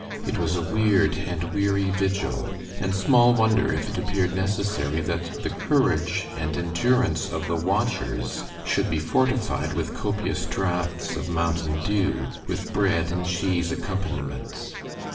It was a weird and weary vigil, and small wonder if it appeared necessary that the courage and endurance of the watchers should be fortified with copious draughts of "mountain dew," with bread and cheese accompaniments.